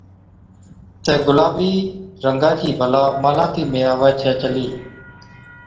تہ گُلابِي رنگا چِي بَلا محلاتِي ۾ آوَي ڇَي چلِي،